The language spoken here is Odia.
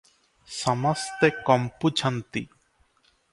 ସମସ୍ତେ କମ୍ପୁଛନ୍ତି ।